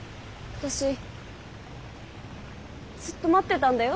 私ずっと待ってたんだよ。